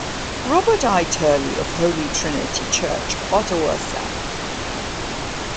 Robert I. Turley, of Holy Trinity Church, Ottawa South.